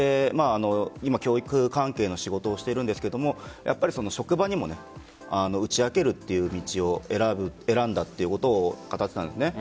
今、教育関係の仕事をしているんですが職場にも打ち明けるという道を選んだということを語っていたんです。